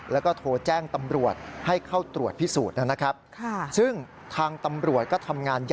แล้วก็โทรแจ้งตำรวจให้เข้าตรวจพิสูจน์นะครับ